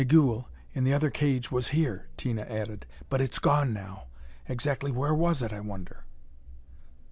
"Migul, in the other cage, was here," Tina added. "But it's gone now. Exactly where was it, I wonder?"